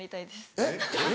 えっ？